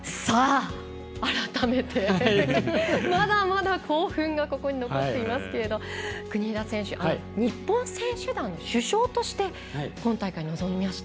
改めて、まだまだ興奮がここに残っていますけれども国枝慎吾選手日本選手団主将として今大会臨みました。